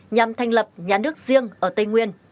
nhằm thành lập nhà nước riêng ở tây nguyên